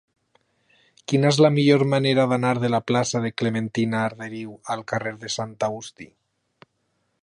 Quina és la millor manera d'anar de la plaça de Clementina Arderiu al carrer de Sant Agustí?